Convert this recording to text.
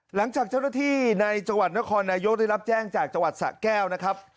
หลังจากเจ้าหน้าที่ในจังหวัดนครนายกได้รับแจ้งจากจังหวัดสะแก้วนะครับ